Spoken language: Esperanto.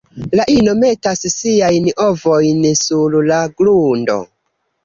La ino metas siajn ovojn sur la grundo.